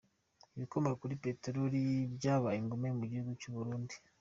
Ibikomoka kuri peteroli byabaye ingume Mugihugu Cyuburundi